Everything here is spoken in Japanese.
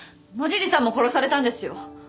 野尻さんも殺されたんですよ！